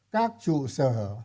các trụ sở